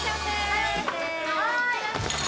はい！